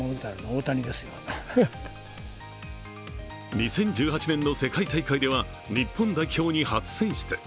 ２０１８年の世界大会では日本代表に初選出。